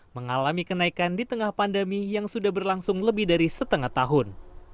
mengalami kenaikan di tengah pandemi yang sudah berlangsung lebih dari setengah tahun